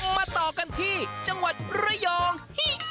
มาต่อกันที่จังหวัดระยอง